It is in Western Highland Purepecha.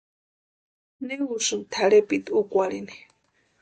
¿Ne úsïni tʼarhepiti úkwarhini?